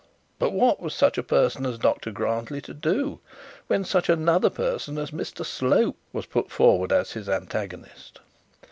But what was such a person as Dr Grantly to do, when such another person as Mr Slope was put forward as his antagonist?